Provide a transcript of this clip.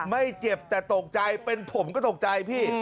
ไม่เจ็บแต่ตกใจเป็นผมก็ตกใจพี่